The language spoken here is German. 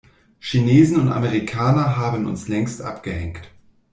Chinesen und Amerikaner haben uns längst abgehängt.